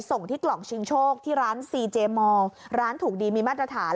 ส่งที่กล่องชิงโชคที่ร้านซีเจมอลร้านถูกดีมีมาตรฐาน